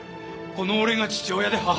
この俺が父親で母親だ！